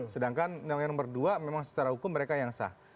sedangkan yang nomor dua memang secara hukum mereka yang sah